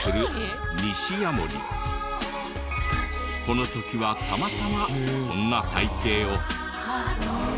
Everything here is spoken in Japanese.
この時はたまたまこんな体形を。